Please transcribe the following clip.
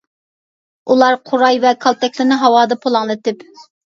ئۇلار قۇراي ۋە كالتەكلىرىنى ھاۋادا پۇلاڭلىتىپ.